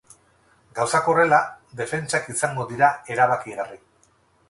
Gauzak horrela, defentsak izango dira erabakigarri.